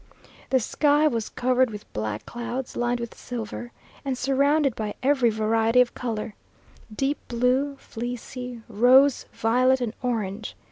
The sky was covered with black clouds lined with silver, and surrounded by every variety of colour; deep blue, fleecy, rose, violet, and orange.